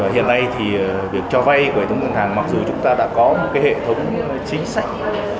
hiện nay thì việc cho vay của hệ thống ngân hàng mặc dù chúng ta đã có một hệ thống chính sách